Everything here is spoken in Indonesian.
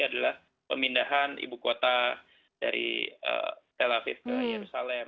adalah pemindahan ibu kota dari tel aviv ke yerusalem